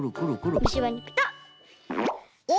むしばにピタッ。